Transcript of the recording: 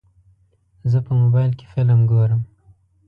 زه په موبایل کې فلم ګورم.